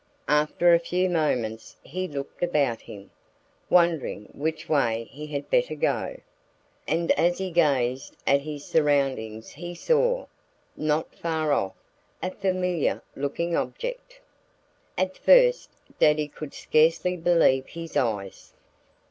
After a few moments he looked about him, wondering which way he had better go. And as he gazed at his surroundings he saw not far off a familiar looking object. At first Daddy could scarcely believe his eyes.